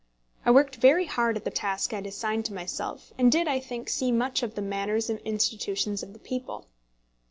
I worked very hard at the task I had assigned to myself, and did, I think, see much of the manners and institutions of the people.